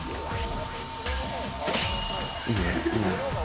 いいねいいね。